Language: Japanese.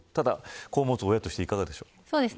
子を持つ親としていかがでしょうか。